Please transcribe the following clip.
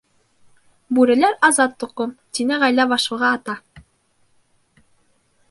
— Бүреләр — Азат Тоҡом, — тине ғаилә башлығы Ата.